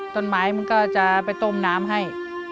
มันก็จะไปต้มน้ำให้